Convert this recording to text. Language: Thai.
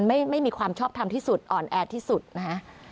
ไม่มีความชอบทำที่สุดอ่อนแอที่สุดนะฮะ